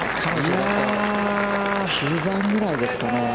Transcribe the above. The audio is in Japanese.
９番ぐらいですかね。